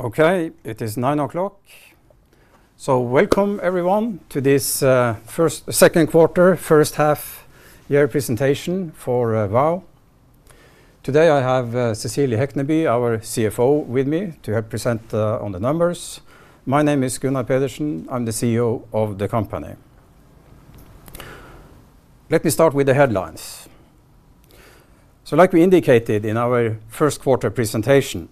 Okay, it is 9:00 A.M. Welcome, everyone, to this second quarter, first half year presentation for Vow. Today I have Cecilie Hekneby, our CFO, with me to help present on the numbers. My name is Gunnar Pedersen. I'm the CEO of the company. Let me start with the headlines. Like we indicated in our first quarter presentation,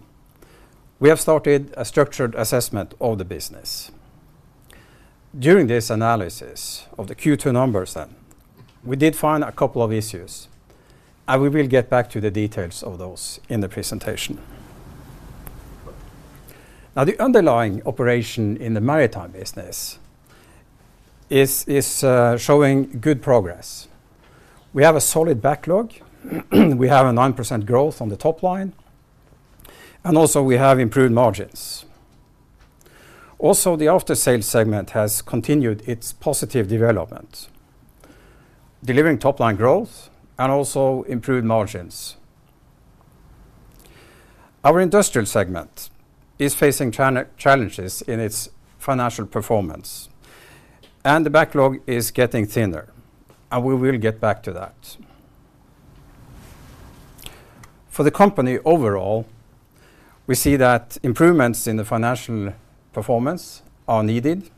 we have started a structured assessment of the business. During this analysis of the Q2 numbers, we did find a couple of issues, and we will get back to the details of those in the presentation. The underlying operation in the maritime business is showing good progress. We have a solid backlog. We have a 9% growth on the top line, and also we have improved margins. Also, the Aftersales segment has continued its positive development, delivering top-line growth and also improved margins. Our Industrial segment is facing challenges in its financial performance, and the backlog is getting thinner, and we will get back to that. For the company overall, we see that improvements in the financial performance are needed,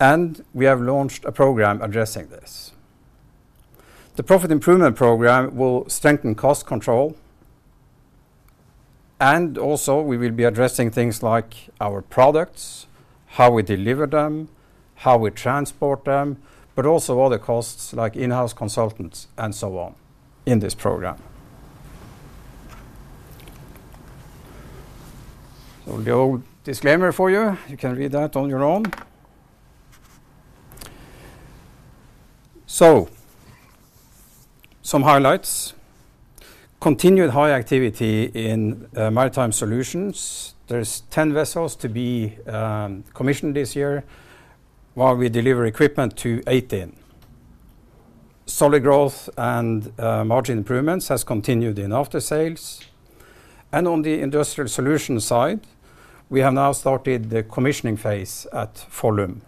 and we have launched a program addressing this. The profit improvement program will strengthen cost control, and also we will be addressing things like our products, how we deliver them, how we transport them, but also other costs like in-house consultants and so on in this program. The whole disclaimer for you, you can read that on your own. Some highlights. Continued high activity in Maritime Solutions. There are 10 vessels to be commissioned this year, while we deliver equipment to 18. Solid growth and margin improvements have continued in Aftersales. On the Industrial Solutions side, we have now started the commissioning phase at Follum.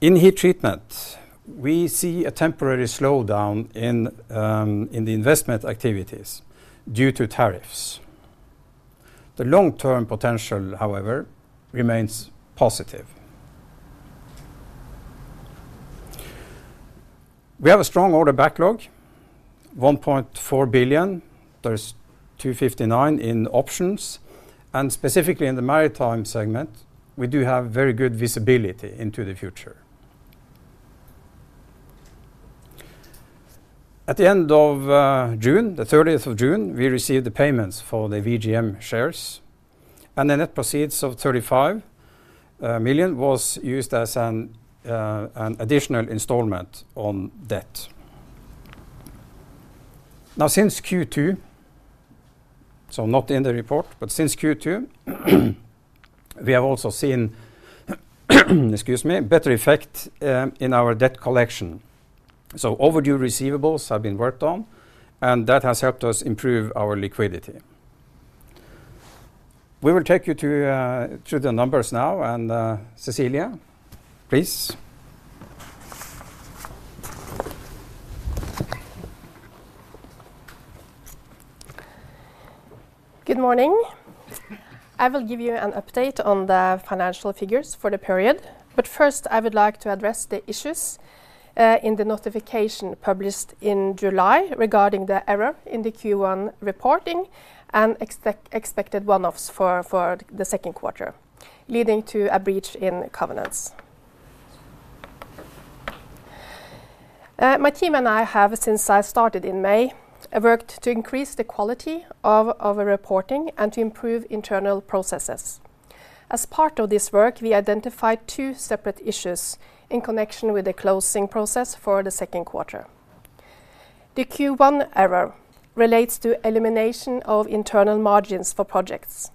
In heat treatment, we see a temporary slowdown in the investment activities due to tariffs. The long-term potential, however, remains positive. We have a strong order backlog, 1.4 billion. There is 259 million in options, and specifically in the maritime segment, we do have very good visibility into the future. At the end of June, the 30th of June, we received the payments for the VGM shares, and the net proceeds of 35 million were used as an additional installment on debt. Since Q2, not in the report, but since Q2, we have also seen better effect in our debt collection. Overdue receivables have been worked on, and that has helped us improve our liquidity. We will take you through the numbers now, and Cecilie, please. Good morning. I will give you an update on the financial figures for the period, but first, I would like to address the issues in the notification published in July regarding the error in the Q1 reporting and expected one-offs for the second quarter, leading to a breach in covenants. My team and I have, since I started in May, worked to increase the quality of our reporting and to improve internal processes. As part of this work, we identified two separate issues in connection with the closing process for the second quarter. The Q1 error relates to the elimination of internal margins for projects.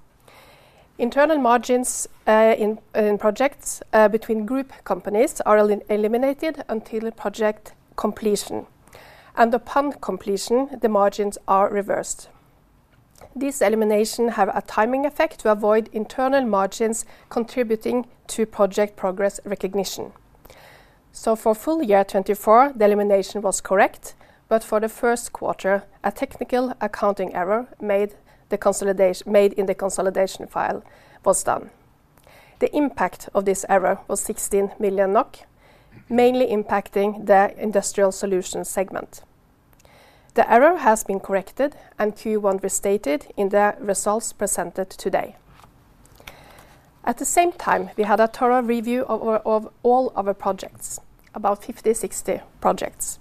Internal margins in projects between group companies are eliminated until project completion, and upon completion, the margins are reversed. This elimination has a timing effect to avoid internal margins contributing to project progress recognition. For full year 2024, the elimination was correct, but for the first quarter, a technical accounting error made in the consolidation file was done. The impact of this error was 16 million NOK, mainly impacting the Industrial Solutions segment. The error has been corrected and Q1 restated in the results presented today. At the same time, we had a thorough review of all our projects, about 50, 60 projects.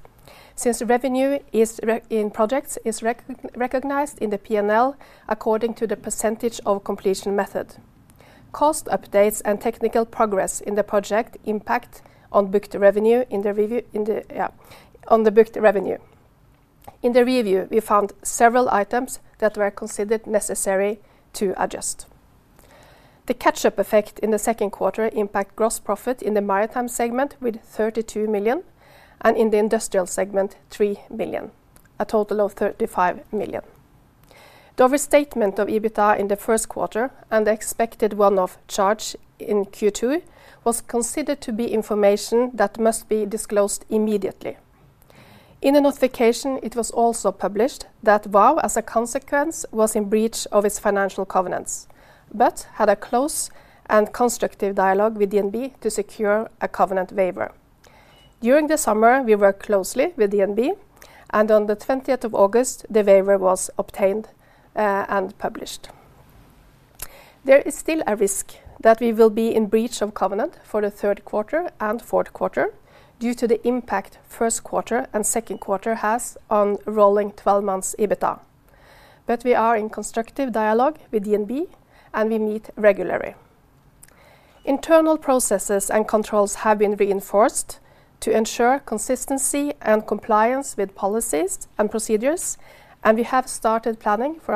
Since revenue in projects is recognized in the P&L according to the percentage of completion method, cost updates and technical progress in the project impact on booked revenue. In the review, we found several items that were considered necessary to adjust. The catch-up effect in the second quarter impacts gross profit in the Maritime segment with 32 million and in the Industrial Solutions segment 3 million, a total of 35 million. The overstatement of EBITDA in the first quarter and the expected one-off charge in Q2 was considered to be information that must be disclosed immediately. In the notification, it was also published that Vow, as a consequence, was in breach of its financial covenants but had a close and constructive dialogue with DNB to secure a covenant waiver. During the summer, we worked closely with DNB, and on the 20th of August, the waiver was obtained and published. There is still a risk that we will be in breach of covenant for the third quarter and fourth quarter due to the impact the first quarter and second quarter has on rolling 12 months EBITDA. We are in constructive dialogue with DNB, and we meet regularly. Internal processes and controls have been reinforced to ensure consistency and compliance with policies and procedures, and we have started planning for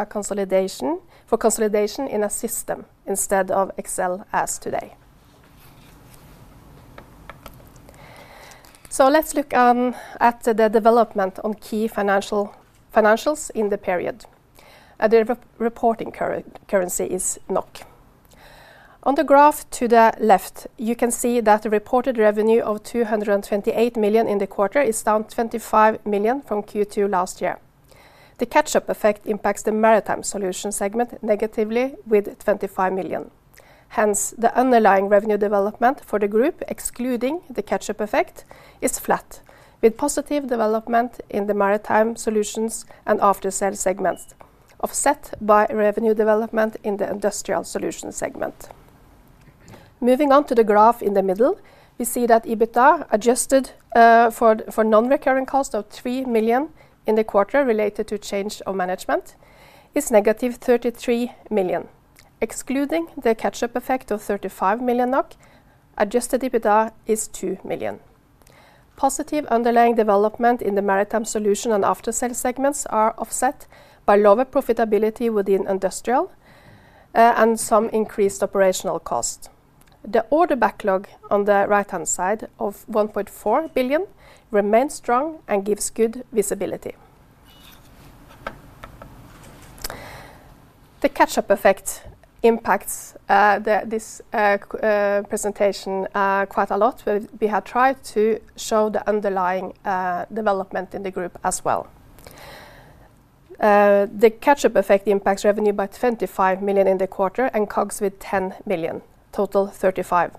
consolidation in a system instead of Excel as today. Let's look at the development on key financials in the period. The reporting currency is NOK. On the graph to the left, you can see that the reported revenue of 228 million in the quarter is down 25 million from Q2 last year. The catch-up effect impacts the Maritime Solutions segment negatively with 25 million. Hence, the underlying revenue development for the group, excluding the catch-up effect, is flat, with positive development in the Maritime Solutions and Aftersales segments offset by revenue development in the Industrial Solutions segment. Moving on to the graph in the middle, we see that EBITDA adjusted for non-recurring cost of 3 million in the quarter related to change of management is -33 million. Excluding the catch-up effect of 35 million NOK, adjusted EBITDA is 2 million. Positive underlying development in the Maritime Solutions and Aftersales segments are offset by lower profitability within Industrial and some increased operational cost. The order backlog on the right-hand side of 1.4 billion remains strong and gives good visibility. The catch-up effect impacts this presentation quite a lot, but we have tried to show the underlying development in the group as well. The catch-up effect impacts revenue by 25 million in the quarter and COGS with 10 million, total 35 million.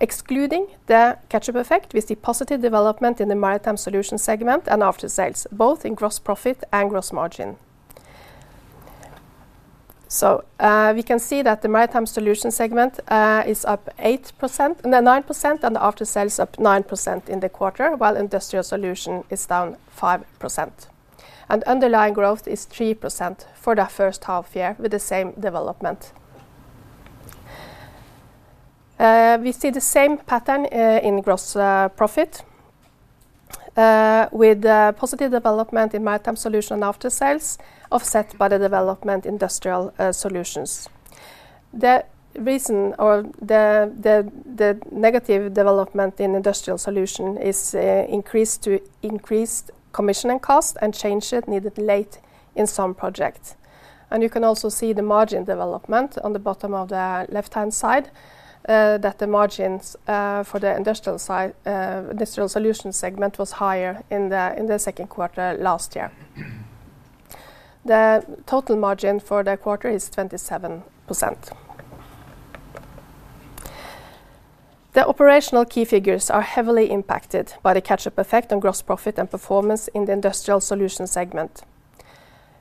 Excluding the catch-up effect, we see positive development in the Maritime Solutions segment and Aftersales, both in gross profit and gross margin. We can see that the Maritime Solutions segment is up 8%, 9%, and the Aftersales is up 9% in the quarter, while Industrial Solutions is down 5%. Underlying growth is 3% for the first half year with the same development. We see the same pattern in gross profit with positive development in Maritime Solutions and Aftersales offset by the development in Industrial Solutions. The reason for the negative development in Industrial Solutions is increased commissioning cost and changes needed late in some projects. You can also see the margin development on the bottom of the left-hand side that the margins for the Industrial Solutions segment were higher in the second quarter last year. The total margin for the quarter is 27%. The operational key figures are heavily impacted by the catch-up effect on gross profit and performance in the Industrial Solutions segment.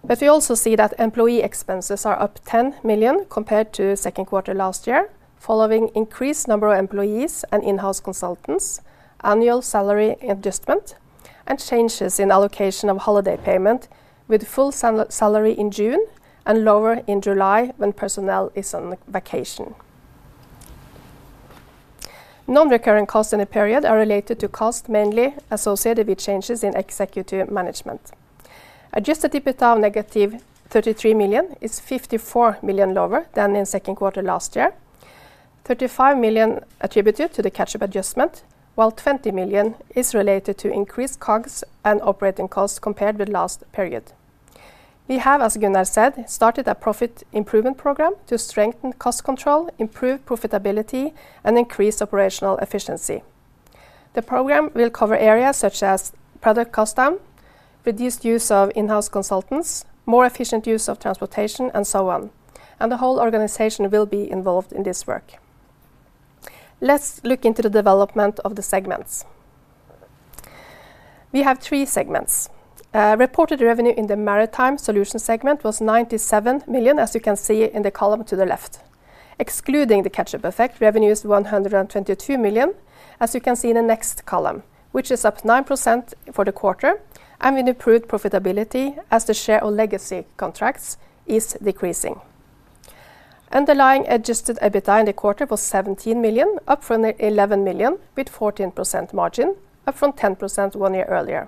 We also see that employee expenses are up 10 million compared to the second quarter last year following increased number of employees and in-house consultants, annual salary adjustment, and changes in allocation of holiday payment with full salary in June and lower in July when personnel is on vacation. Non-recurring costs in the period are related to costs mainly associated with changes in executive management. Adjusted EBITDA of -33 million is 54 million lower than in the second quarter last year. 35 million attributed to the catch-up adjustment, while 20 million is related to increased COGS and operating costs compared to the last period. We have, as Gunnar said, started a profit improvement program to strengthen cost control, improve profitability, and increase operational efficiency. The program will cover areas such as product cost down, reduced use of in-house consultants, more efficient use of transportation, and so on. The whole organization will be involved in this work. Let's look into the development of the segments. We have three segments. Reported revenue in the Maritime Solutions segment was 97 million, as you can see in the column to the left. Excluding the catch-up effect, revenue is 122 million, as you can see in the next column, which is up 9% for the quarter and with improved profitability as the share of legacy contracts is decreasing. Underlying adjusted EBITDA in the quarter was 17 million, up from 11 million with 14% margin, up from 10% one year earlier.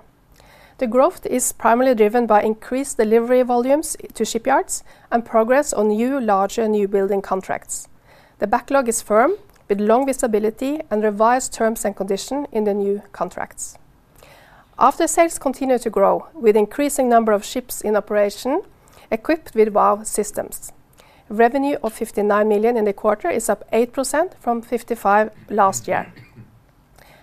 The growth is primarily driven by increased delivery volumes to shipyards and progress on new, larger new building contracts. The backlog is firm with long visibility and revised terms and conditions in the new contracts. Aftersales continue to grow with an increasing number of ships in operation equipped with Vow systems. Revenue of 59 million in the quarter is up 8% from 55 million last year.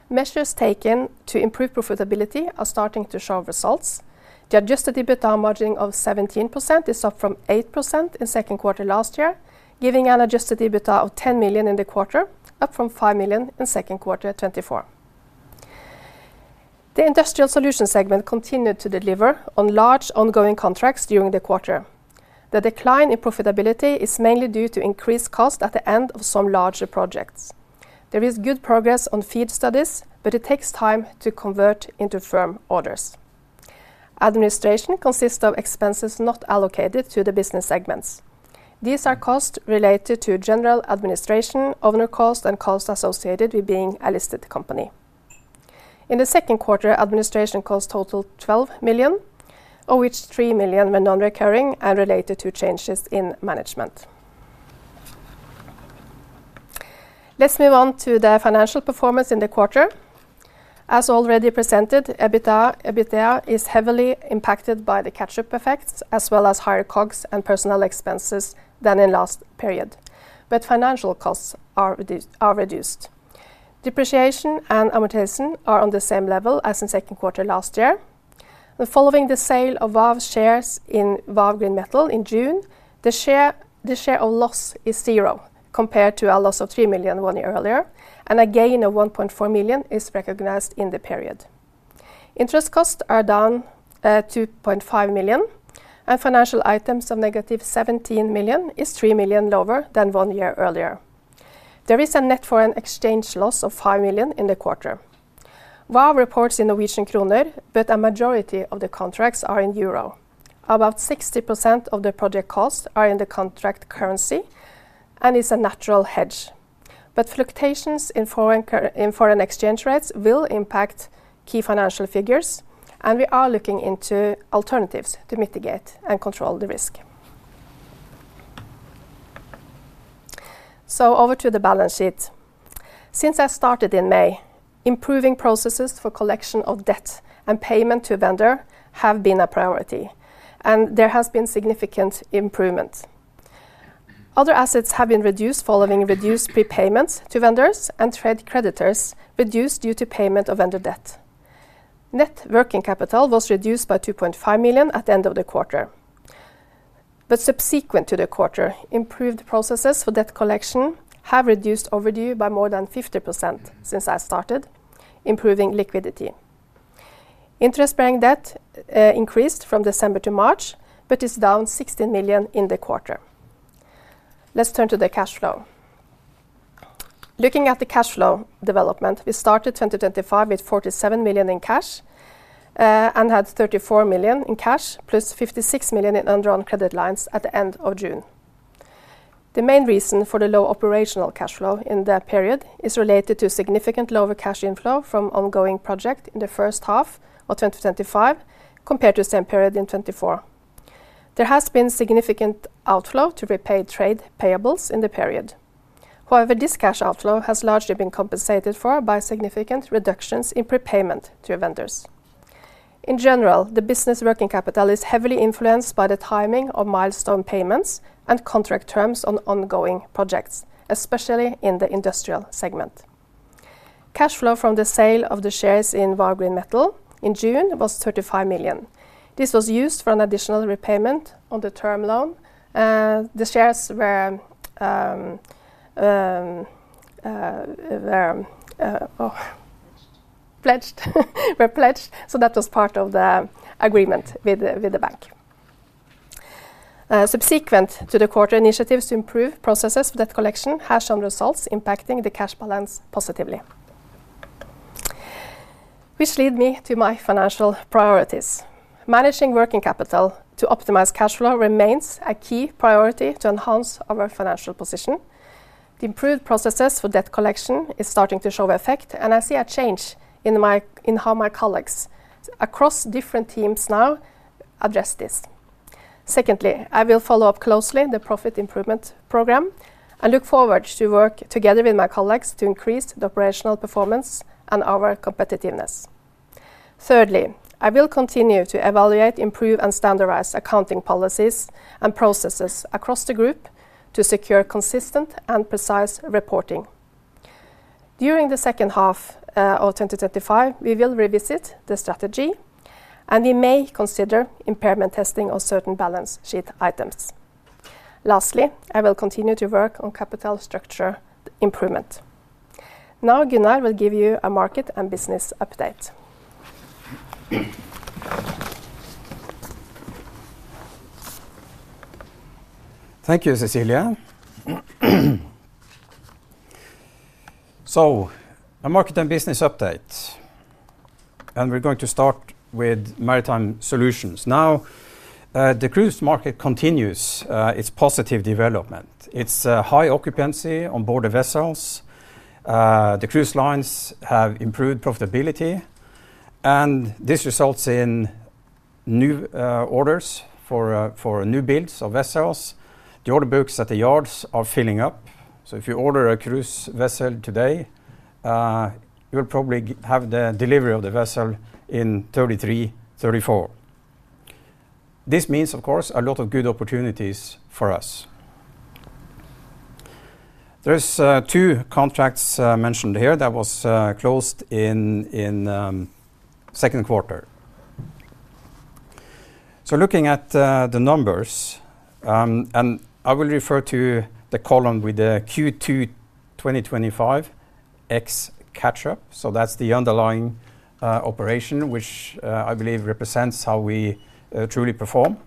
Measures taken to improve profitability are starting to show results. The adjusted EBITDA margin of 17% is up from 8% in the second quarter last year, giving an adjusted EBITDA of 10 million in the quarter, up from 5 million in the second quarter of 2024. The Industrial Solutions segment continued to deliver on large ongoing contracts during the quarter. The decline in profitability is mainly due to increased costs at the end of some larger projects. There is good progress on FEED studies, but it takes time to convert into firm orders. Administration consists of expenses not allocated to the business segments. These are costs related to general administration, owner costs, and costs associated with being a listed company. In the second quarter, administration costs total 12 million, of which 3 million were non-recurring and related to changes in management. Let's move on to the financial performance in the quarter. As already presented, EBITDA is heavily impacted by the catch-up effects, as well as higher COGS and personnel expenses than in the last period, but financial costs are reduced. Depreciation and amortization are on the same level as in the second quarter last year. Following the sale of Vow shares in Vow Green Metals in June, the share of loss is zero compared to a loss of 3 million one year earlier, and a gain of 1.4 million is recognized in the period. Interest costs are down 2.5 million, and financial items of NOK- 17 million are 3 million lower than one year earlier. There is a net foreign exchange loss of 5 million in the quarter. Vow reports in Norwegian kroner, but a majority of the contracts are in euro. About 60% of the project costs are in the contract currency and is a natural hedge. Fluctuations in foreign exchange rates will impact key financial figures, and we are looking into alternatives to mitigate and control the risk. Over to the balance sheet. Since I started in May, improving processes for collection of debt and payment to vendors have been a priority, and there has been significant improvement. Other assets have been reduced following reduced prepayments to vendors, and trade creditors reduced due to payment of vendor debt. Net working capital was reduced by 2.5 million at the end of the quarter. Subsequent to the quarter, improved processes for debt collection have reduced overdue by more than 50% since I started, improving liquidity. Interest-bearing debt increased from December to March, but is down 16 million in the quarter. Let's turn to the cash flow. Looking at the cash flow development, we started 2025 with 47 million in cash and had 34 million in cash plus 56 million in undrawn credit lines at the end of June. The main reason for the low operational cash flow in that period is related to significantly lower cash inflow from ongoing projects in the first half of 2025 compared to the same period in 2024. There has been significant outflow to prepaid trade payables in the period. However, this cash outflow has largely been compensated for by significant reductions in prepayment to vendors. In general, the business working capital is heavily influenced by the timing of milestone payments and contract terms on ongoing projects, especially in the Industrial segment. Cash flow from the sale of the shares in Vow Green Metals in June was 35 million. This was used for an additional repayment on the term loan, and the shares were pledged, so that was part of the agreement with the bank. Subsequent to the quarter, initiatives to improve processes for debt collection have some results impacting the cash balance positively, which leads me to my financial priorities. Managing working capital to optimize cash flow remains a key priority to enhance our financial position. The improved processes for debt collection are starting to show effect, and I see a change in how my colleagues across different teams now address this. Secondly, I will follow up closely on the profit improvement program and look forward to working together with my colleagues to increase the operational performance and our competitiveness. Thirdly, I will continue to evaluate, improve, and standardize accounting policies and processes across the group to secure consistent and precise reporting. During the second half of 2025, we will revisit the strategy, and we may consider impairment testing of certain balance sheet items. Lastly, I will continue to work on capital structure improvement. Now, Gunnar will give you a market and business update. Thank you, Cecilie. A market and business update. We are going to start with Maritime Solutions. The cruise market continues its positive development. It's high occupancy on board the vessels. The cruise lines have improved profitability, and this results in new orders for new builds of vessels. The order books at the yards are filling up. If you order a cruise vessel today, you'll probably have the delivery of the vessel in 2033, 2034. This means, of course, a lot of good opportunities for us. There are two contracts mentioned here that were closed in the second quarter. Looking at the numbers, I will refer to the column with the Q2 2025 X catch-up. That's the underlying operation, which I believe represents how we truly perform.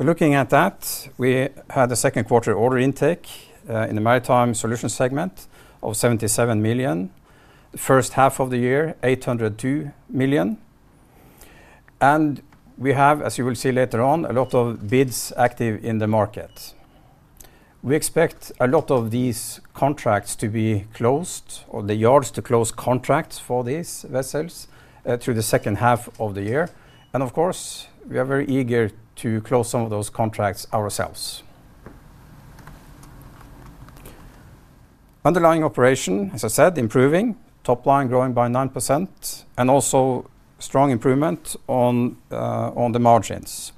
Looking at that, we had a second quarter order intake in the Maritime Solutions segment of 77 million. The first half of the year, 802 million. As you will see later on, there are a lot of bids active in the market. We expect a lot of these contracts to be closed, or the yards to close contracts for these vessels through the second half of the year. We are very eager to close some of those contracts ourselves. Underlying operation, as I said, improving, top line growing by 9%, and also strong improvement on the margins.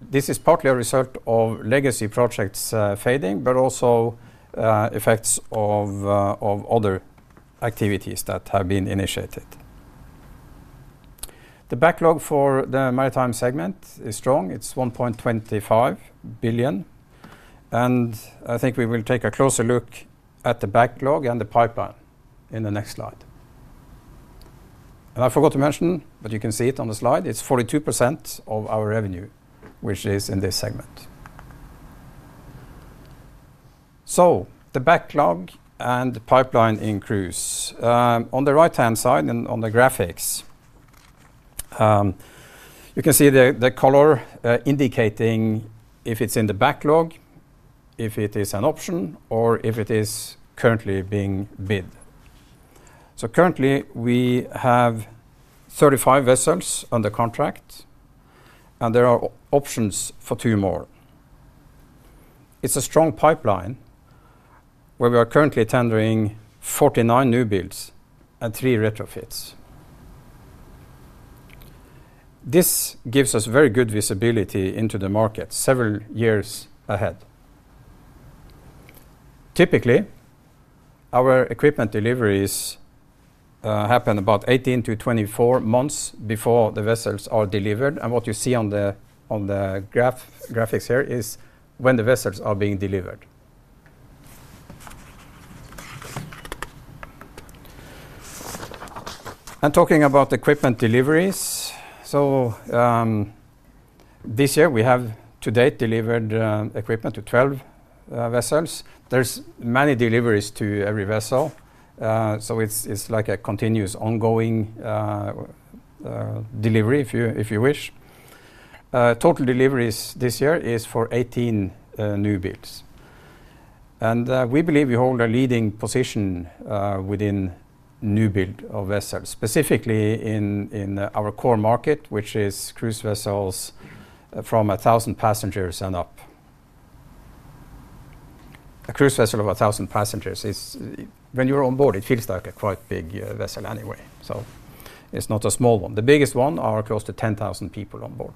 This is partly a result of legacy projects fading, but also effects of other activities that have been initiated. The backlog for the Maritime segment is strong. It's 1.25 billion. We will take a closer look at the backlog and the pipeline in the next slide. I forgot to mention, but you can see it on the slide, it's 42% of our revenue, which is in this segment. The backlog and the pipeline increase. On the right-hand side and on the graphics, you can see the color indicating if it's in the backlog, if it is an option, or if it is currently being bid. Currently, we have 35 vessels under contract, and there are options for two more. It's a strong pipeline where we are currently tendering 49 new builds and three retrofits. This gives us very good visibility into the market several years ahead. Typically, our equipment deliveries happen about 18-24 months before the vessels are delivered. What you see on the graphics here is when the vessels are being delivered. Talking about equipment deliveries, this year we have to date delivered equipment to 12 vessels. There are many deliveries to every vessel. It's like a continuous ongoing delivery if you wish. Total deliveries this year are for 18 new builds. We believe we hold a leading position within new build of vessels, specifically in our core market, which is cruise vessels from 1,000 passengers and up. A cruise vessel of 1,000 passengers is, when you're on board, it feels like a quite big vessel anyway. It's not a small one. The biggest one has close to 10,000 people on board.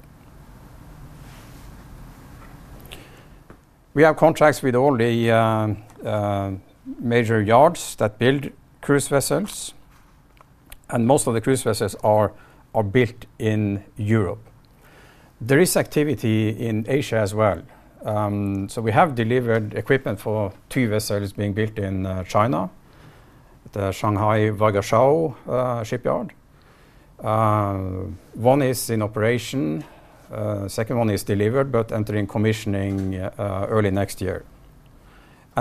We have contracts with all the major yards that build cruise vessels. Most of the cruise vessels are built in Europe. There is activity in Asia as well. We have delivered equipment for two vessels being built in China, the Shanghai Waigaoqiao shipyard. One is in operation. The second one is delivered, but entering commissioning early next year.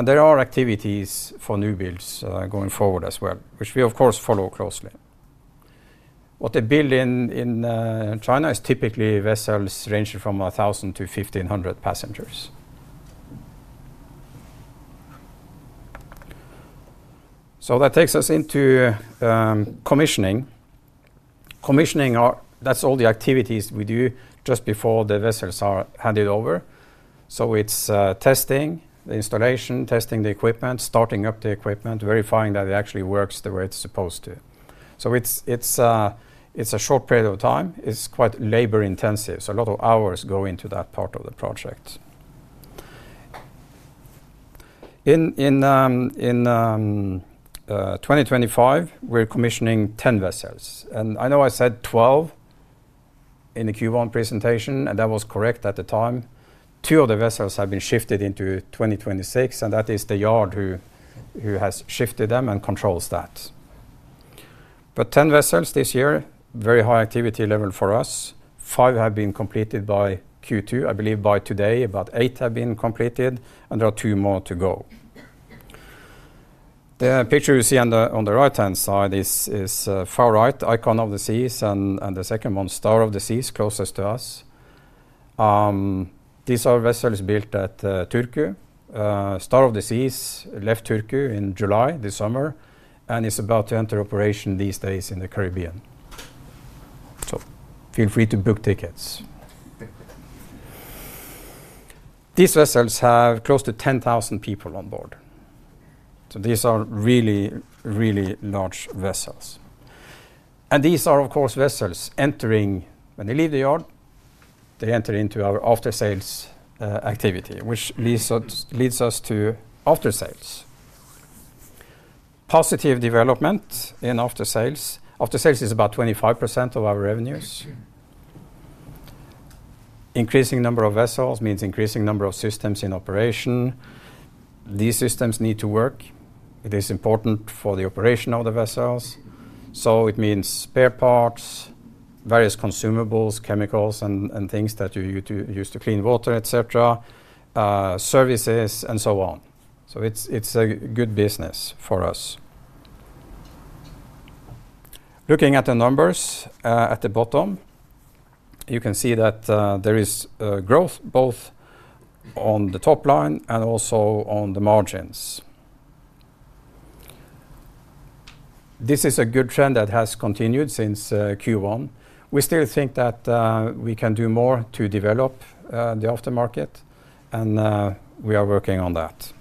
There are activities for new builds going forward as well, which we, of course, follow closely. What they build in China is typically vessels ranging from 1,000-1,500 passengers. That takes us into commissioning. Commissioning is all the activities we do just before the vessels are handed over. It's testing the installation, testing the equipment, starting up the equipment, verifying that it actually works the way it's supposed to. It's a short period of time. It's quite labor-intensive. A lot of hours go into that part of the project. In 2025, we're commissioning 10 vessels. I know I said 12 in the Q1 presentation, and that was correct at the time. Two of the vessels have been shifted into 2026, and that is the yard who has shifted them and controls that. Ten vessels this year, very high activity level for us. Five have been completed by Q2. I believe by today, about eight have been completed, and there are two more to go. The picture you see on the right-hand side is far right, Icon of the Seas, and the second one, Star of the Seas, closest to us. These are vessels built at Turku. Star of the Seas left Turku in July this summer, and it's about to enter operation these days in the Caribbean. Feel free to book tickets. These vessels have close to 10,000 people on board. These are really, really large vessels. These are, of course, vessels entering, when they leave the yard, they enter into our Aftersales activity, which leads us to Aftersales. Positive development in Aftersales. Aftersales is about 25% of our revenues. Increasing the number of vessels means an increasing number of systems in operation. These systems need to work. It is important for the operation of the vessels. It means spare parts, various consumables, chemicals, and things that you use to clean water, etc., services, and so on. It's a good business for us. Looking at the numbers at the bottom, you can see that there is growth both on the top line and also on the margins. This is a good trend that has continued since Q1. We still think that we can do more to develop the aftermarket, and we are working on that.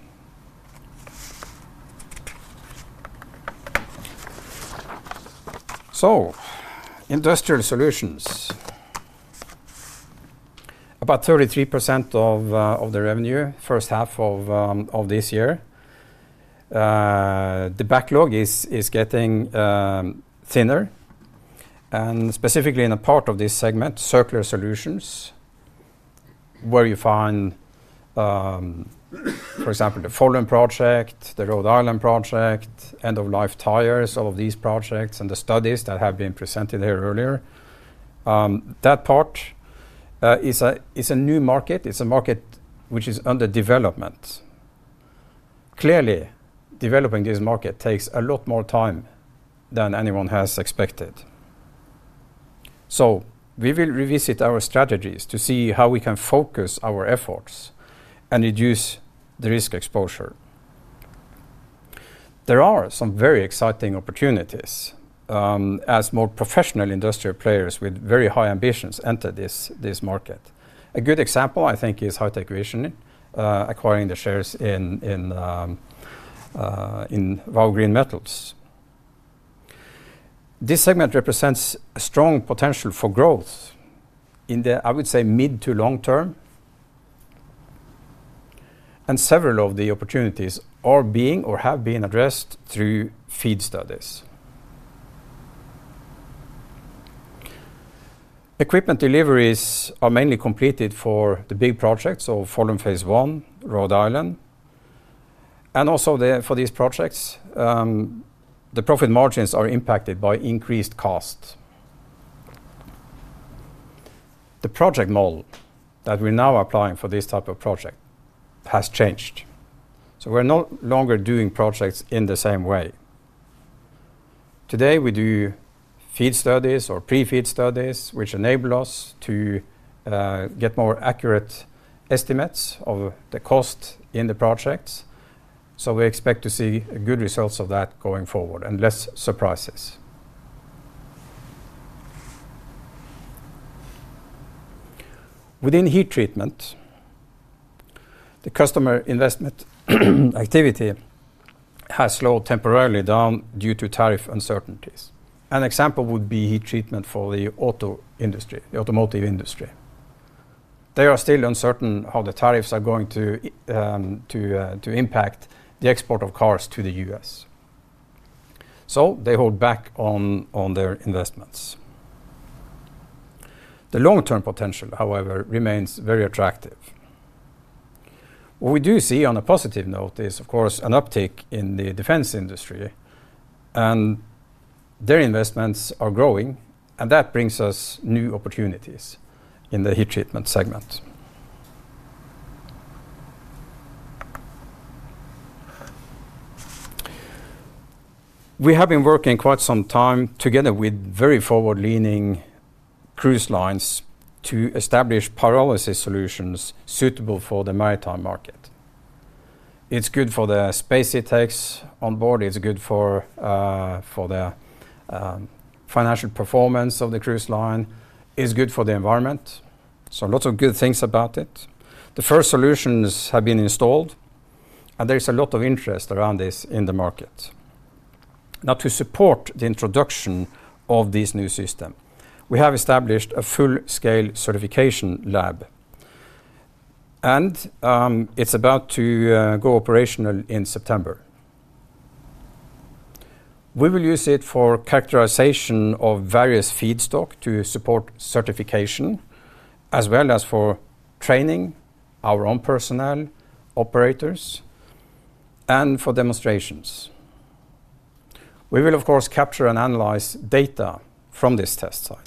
Industrial Solutions, about 33% of the revenue first half of this year. The backlog is getting thinner, specifically in a part of this segment, circular solutions, where you find, for example, the Follum project, the Rhode Island project, end-of-life tires, all of these projects, and the studies that have been presented here earlier. That part is a new market. It's a market which is under development. Clearly, developing this market takes a lot more time than anyone has expected. We will revisit our strategies to see how we can focus our efforts and reduce the risk exposure. There are some very exciting opportunities as more professional industrial players with very high ambitions enter this market. A good example, I think, is HitecVision acquiring the shares in Vow Green Metals. This segment represents a strong potential for growth in the, I would say, mid to long term. Several of the opportunities are being or have been addressed through FEED studies. Equipment deliveries are mainly completed for the big projects of Follum Phase 1, Rhode Island. For these projects, the profit margins are impacted by increased cost. The project model that we're now applying for this type of project has changed. We're no longer doing projects in the same way. Today, we do FEED studies or pre-FEED studies, which enable us to get more accurate estimates of the cost in the projects. We expect to see good results of that going forward and less surprises. Within heat treatment, the customer investment activity has slowed temporarily down due to tariff uncertainties. An example would be heat treatment for the auto industry, the automotive industry. They are still uncertain how the tariffs are going to impact the export of cars to the U.S. They hold back on their investments. The long-term potential, however, remains very attractive. What we do see on a positive note is, of course, an uptick in the defense industry, and their investments are growing, and that brings us new opportunities in the heat treatment segment. We have been working quite some time together with very forward-leaning cruise lines to establish pyrolysis solutions suitable for the maritime market. It's good for the space it takes on board. It's good for the financial performance of the cruise line. It's good for the environment. A lot of good things about it. The first solutions have been installed, and there is a lot of interest around this in the market. Now, to support the introduction of this new system, we have established a full-scale certification lab, and it's about to go operational in September. We will use it for characterization of various feedstocks to support certification, as well as for training our own personnel, operators, and for demonstrations. We will, of course, capture and analyze data from this test site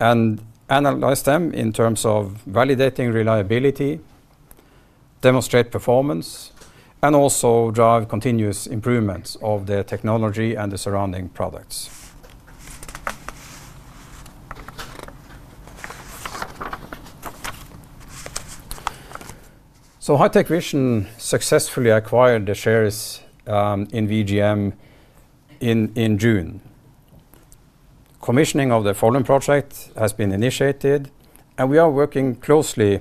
and analyze them in terms of validating reliability, demonstrate performance, and also drive continuous improvements of the technology and the surrounding products. HitecVision successfully acquired the shares in VGM in June. Commissioning of the Follum project has been initiated, and we are working closely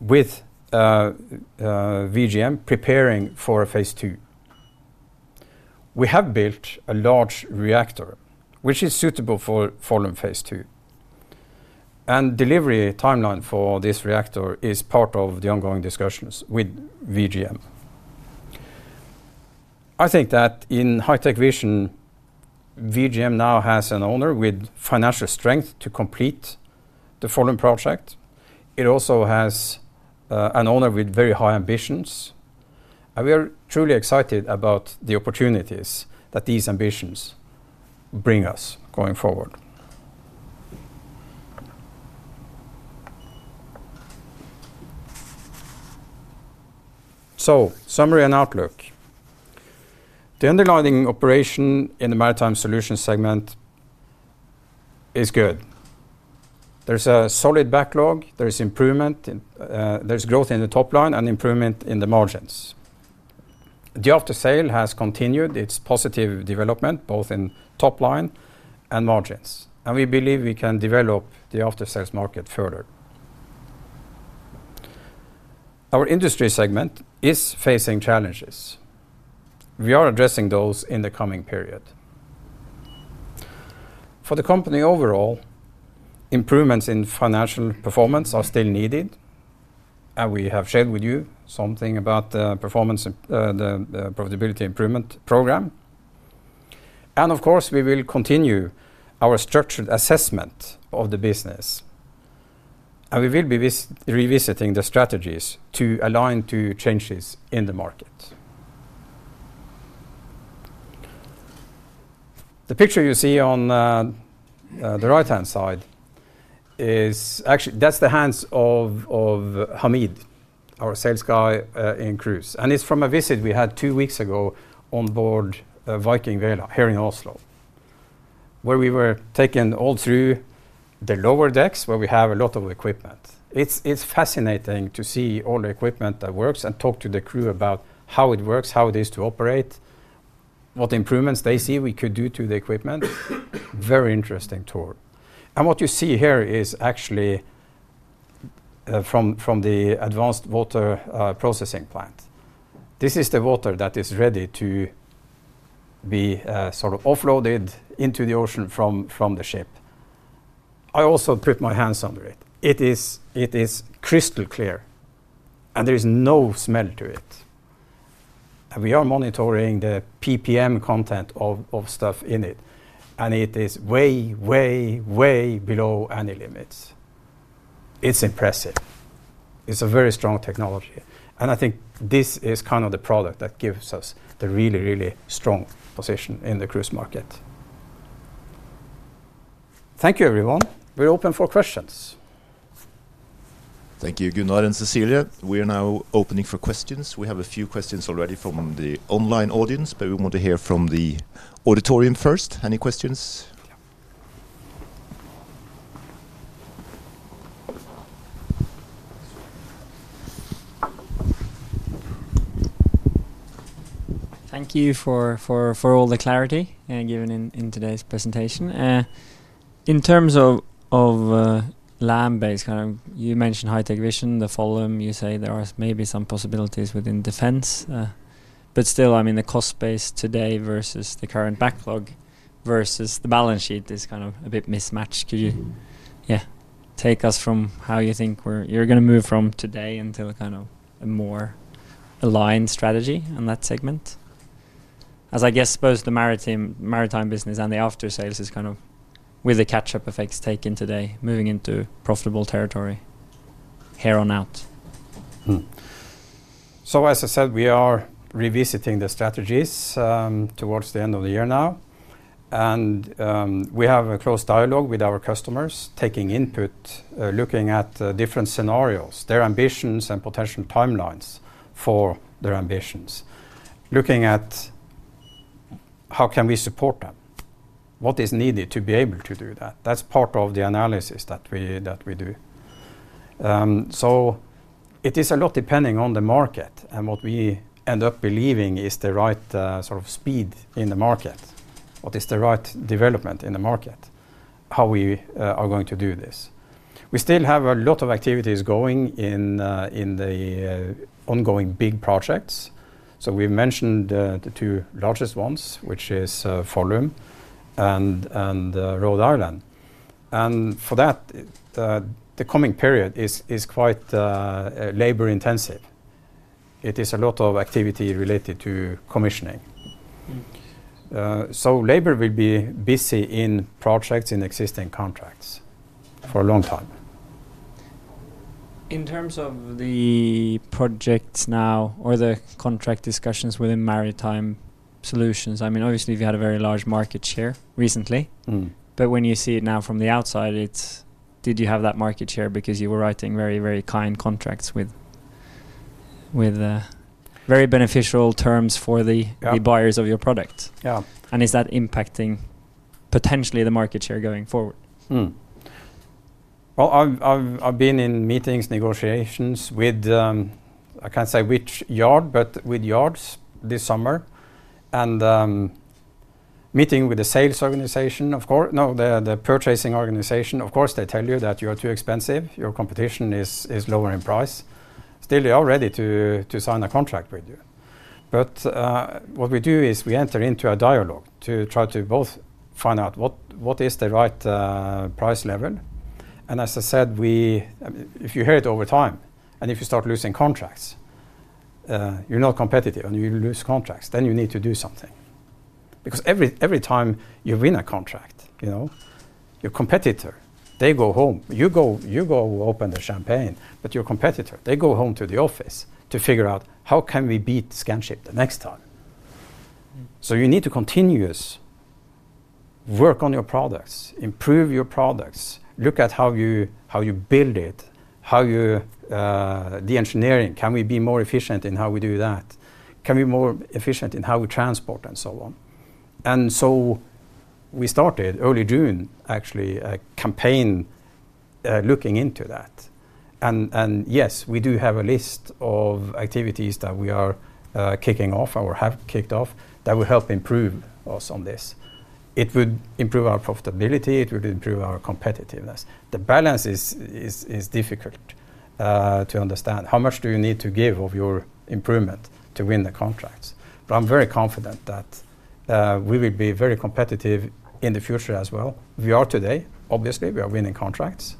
with VGM, preparing for phase 2. We have built a large reactor, which is suitable for Follum Phase 2, and the delivery timeline for this reactor is part of the ongoing discussions with VGM. I think that in HitecVision, VGM now has an owner with financial strength to complete the Follum project. It also has an owner with very high ambitions. We are truly excited about the opportunities that these ambitions bring us going forward. Summary and outlook. The underlying operation in the Maritime Solutions segment is good. There's a solid backlog. There's improvement. There's growth in the top line and improvement in the margins. The Aftersales has continued its positive development, both in top line and margins. We believe we can develop the Aftersales market further. Our industry segment is facing challenges. We are addressing those in the coming period. For the company overall, improvements in financial performance are still needed. We have shared with you something about the performance and the profit improvement program. We will continue our structured assessment of the business. We will be revisiting the strategies to align to changes in the market. The picture you see on the right-hand side is actually, that's the hands of Hamid, our sales guy in cruise. It's from a visit we had two weeks ago on board Viking Vela here in Oslo, where we were taken all through the lower decks where we have a lot of equipment. It's fascinating to see all the equipment that works and talk to the crew about how it works, how it is to operate, what improvements they see we could do to the equipment. Very interesting tour. What you see here is actually from the advanced water processing plant. This is the water that is ready to be sort of offloaded into the ocean from the ship. I also put my hands under it. It is crystal clear. There is no smell to it. We are monitoring the PPM content of stuff in it, and it is way, way, way below any limits. It's impressive. It's a very strong technology. I think this is kind of the product that gives us the really, really strong position in the cruise market. Thank you, everyone. We're open for questions. Thank you, Gunnar and Cecilie. We are now opening for questions. We have a few questions already from the online audience, but we want to hear from the auditorium first. Any questions? Thank you for all the clarity given in today's presentation. In terms of land-based, you mentioned HitecVision, the Follum, you say there are maybe some possibilities within defense. Still, I mean, the cost base today versus the current backlog versus the balance sheet is kind of a bit mismatched. Could you take us from how you think you're going to move from today until kind of a more aligned strategy on that segment? As I guess both the Maritime business and the Aftersales is kind of with the catch-up effects taken today, moving into profitable territory here on out. As I said, we are revisiting the strategies towards the end of the year now. We have a close dialogue with our customers, taking input, looking at different scenarios, their ambitions, and potential timelines for their ambitions. Looking at how can we support them? What is needed to be able to do that? That's part of the analysis that we do. It is a lot depending on the market and what we end up believing is the right sort of speed in the market. What is the right development in the market? How we are going to do this? We still have a lot of activities going in the ongoing big projects. We've mentioned the two largest ones, which are Follum and Rhode Island. For that, the coming period is quite labor-intensive. It is a lot of activity related to commissioning. Labor will be busy in projects in existing contracts for a long time. In terms of the projects now or the contract discussions within Maritime Solutions, I mean, obviously, we've had a very large market share recently. When you see it now from the outside, did you have that market share because you were writing very, very kind contracts with very beneficial terms for the buyers of your product? Is that impacting potentially the market share going forward? I've been in meetings, negotiations with, I can't say which yard, but with yards this summer. Meeting with the sales organization, no, the purchasing organization, of course, they tell you that you're too expensive, your competition is lower in price. Still, they are ready to sign a contract with you. What we do is we enter into a dialogue to try to both find out what is the right price level. As I said, if you hurt over time, and if you start losing contracts, you're not competitive and you lose contracts, then you need to do something. Every time you win a contract, you know your competitor, they go home. You go open the champagne, but your competitor, they go home to the office to figure out how can we beat the scent ship the next time. You need to continuously work on your products, improve your products, look at how you build it, how you do engineering. Can we be more efficient in how we do that? Can we be more efficient in how we transport and so on? We started early June, actually, a campaign looking into that. Yes, we do have a list of activities that we are kicking off or have kicked off that will help improve us on this. It would improve our profitability. It would improve our competitiveness. The balance is difficult to understand. How much do you need to give of your improvement to win the contracts? I'm very confident that we will be very competitive in the future as well. We are today, obviously, we are winning contracts.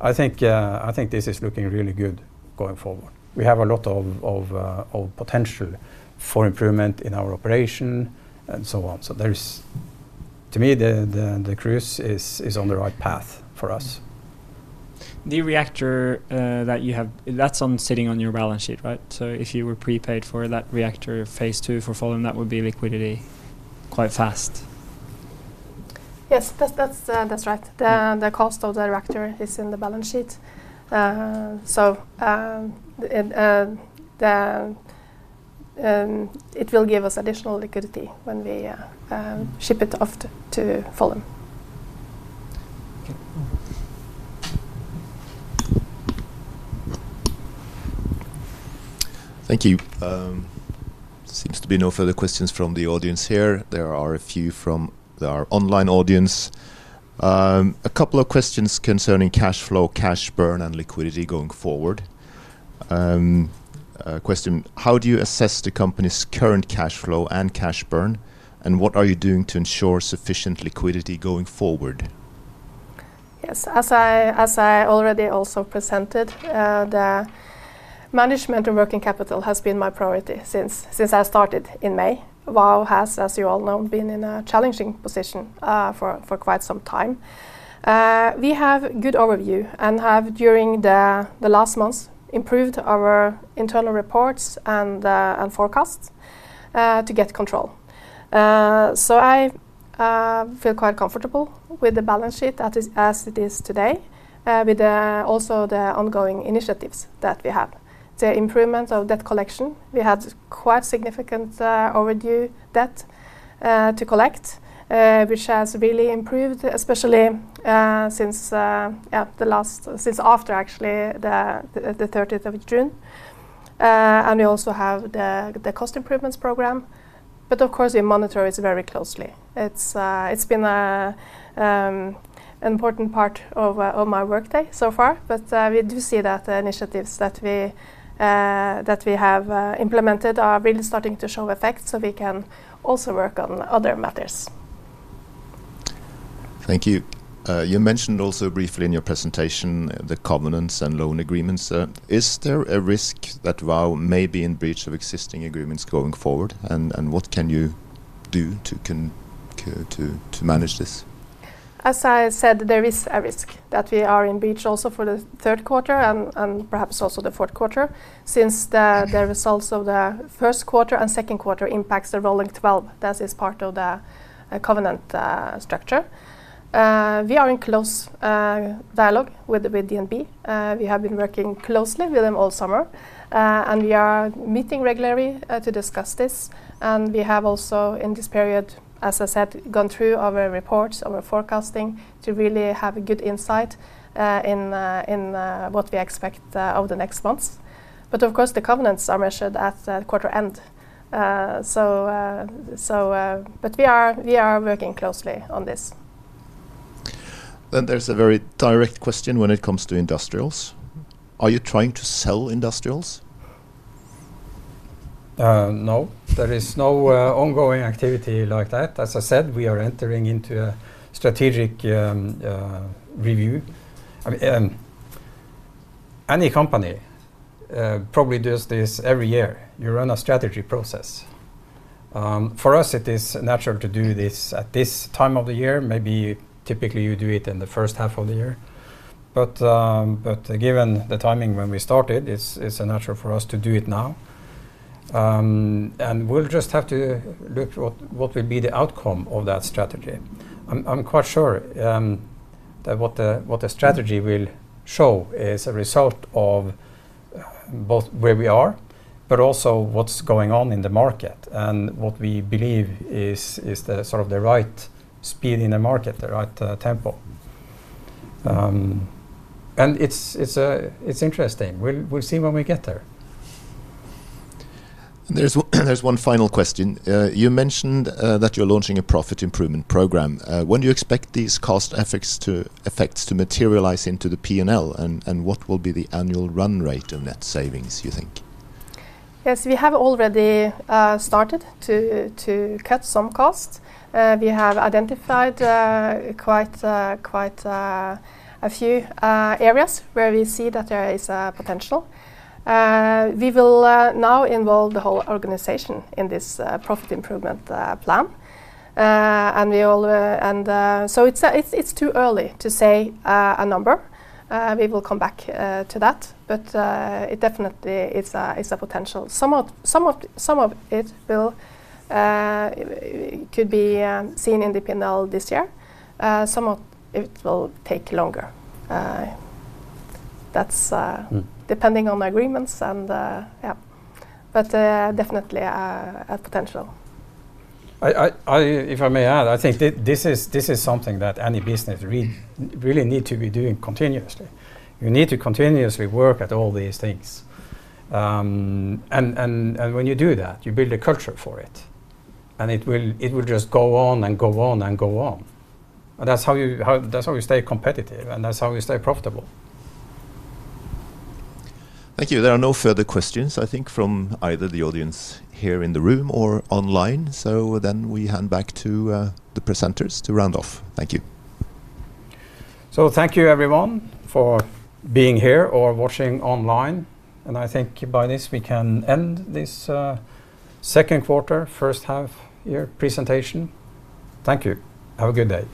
I think this is looking really good going forward. We have a lot of potential for improvement in our operation and so on. To me, the cruise is on the right path for us. The reactor that you have, that's sitting on your balance sheet, right? If you were prepaid for that reactor phase 2 for Follum, that would be liquidity quite fast. Yes, that's right. The cost of the reactor is in the balance sheet. It will give us additional liquidity when we ship it off to Follum. Thank you. Seems to be no further questions from the audience here. There are a few from our online audience. A couple of questions concerning cash flow, cash burn, and liquidity going forward. Question, how do you assess the company's current cash flow and cash burn, and what are you doing to ensure sufficient liquidity going forward? Yes, as I already also presented, the management of working capital has been my priority since I started in May. Vow has, as you all know, been in a challenging position for quite some time. We have a good overview and have, during the last month, improved our internal reports and forecasts to get control. I feel quite comfortable with the balance sheet as it is today, with also the ongoing initiatives that we have. The improvement of debt collection, we had quite significant overdue debt to collect, which has really improved, especially since after, actually, the 30th of June. We also have the cost improvements program. Of course, we monitor it very closely. It's been an important part of my workday so far, but we do see that the initiatives that we have implemented are really starting to show effects, so we can also work on other matters. Thank you. You mentioned also briefly in your presentation the covenants and loan agreements. Is there a risk that Vow may be in breach of existing agreements going forward, and what can you do to manage this? As I said, there is a risk that we are in breach also for the third quarter and perhaps also the fourth quarter, since the results of the first quarter and second quarter impact the rolling 12. That is part of the covenant structure. We are in close dialogue with DNB. We have been working closely with them all summer, and we are meeting regularly to discuss this. We have also, in this period, as I said, gone through our reports, our forecasting to really have a good insight in what we expect over the next months. Of course, the covenants are measured at the quarter end. We are working closely on this. There is a very direct question when it comes to industrials. Are you trying to sell industrials? No, there is no ongoing activity like that. As I said, we are entering into a strategic review. Any company probably does this every year. You run a strategy process. For us, it is natural to do this at this time of the year. Maybe typically you do it in the first half of the year. Given the timing when we started, it's natural for us to do it now. We'll just have to look at what will be the outcome of that strategy. I'm quite sure that what the strategy will show is a result of both where we are, but also what's going on in the market and what we believe is the sort of the right speed in the market, the right tempo. It's interesting. We'll see when we get there. There's one final question. You mentioned that you're launching a profit improvement program. When do you expect these cost effects to materialize into the P&L, and what will be the annual run rate of net savings, you think? Yes, we have already started to cut some costs. We have identified quite a few areas where we see that there is potential. We will now involve the whole organization in this profit improvement plan. It's too early to say a number. We will come back to that, but it definitely is a potential. Some of it could be seen in the P&L this year. Some of it will take longer. That is depending on the agreements, but definitely a potential. If I may add, I think this is something that any business really needs to be doing continuously. You need to continuously work at all these things. When you do that, you build a culture for it. It will just go on and go on and go on. That's how you stay competitive, and that's how you stay profitable. Thank you. There are no further questions, I think, from either the audience here in the room or online. We hand back to the presenters to round off. Thank you. Thank you, everyone, for being here or watching online. I think by this we can end this second quarter, first half year presentation. Thank you. Have a good day.